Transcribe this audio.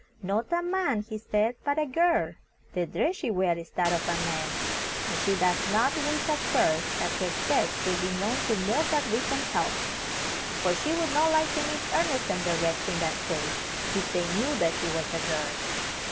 "Not a man," he said, "but a girl. The dress she wears is that of a man, and she does not wish at first that her sex should be known to more that we can help, for she would not like to meet Ernest and the rest in that state, if they knew that she was a girl.